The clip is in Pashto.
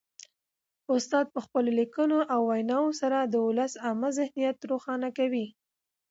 استاد په خپلو لیکنو او ویناوو سره د ولس عامه ذهنیت روښانه کوي.